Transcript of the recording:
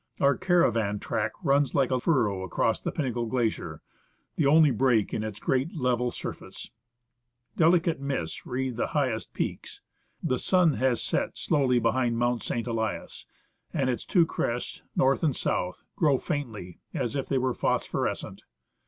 Our caravan track runs like a furrow across the Pinnacle Glacier : the only break in its great level surface. Delicate mists wreath the highest peaks. The sun has set slowly behind Mount St. Elias, and its two crests, north and south, glow faintly, as if they were phosphorescent.